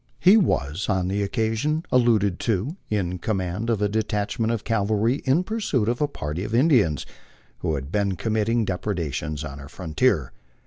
He was, on the occasion alluded to, in com mand of a detachment of cavalry in pursuit of a party of Indians who had been Rommitting depredations on our frontier.